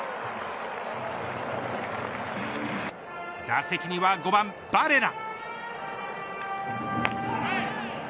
打席には５番バレラ。